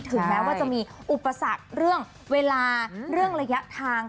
ถึงแม้ว่าจะมีอุปสรรคเรื่องเวลาเรื่องระยะทาง